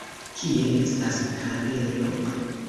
Kie estas kandelo?